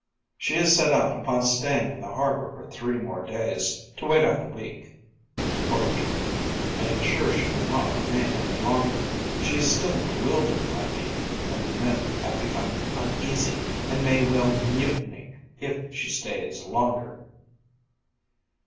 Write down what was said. "She is set upon staying in the harbor for three more days, to wait out the week," reported Jordde. "I am sure she will not remain any longer. She is still bewildered by me, and the men have become uneasy and may well mutiny if she stays longer."